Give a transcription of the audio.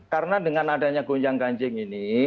karena dengan adanya gonjang ganjing ini